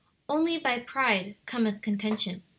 "Only by pride cometh contention."